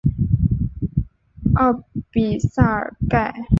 奥比萨尔盖。